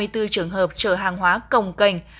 hai mươi bốn trường hợp chở hàng hóa cồng cành